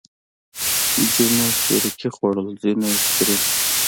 ځينو پيركي خوړل ځينو ايس کريم.